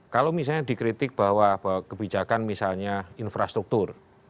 kalau misalnya dikritik bahwa kebijakan misalnya infrastruktur